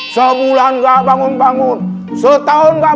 setahun engkau bangun bangun bangun rupanya yang maha kuasa telah